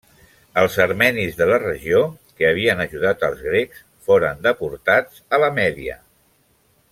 Els armenis de la regió, que havien ajudat als grecs, foren deportats a la Mèdia.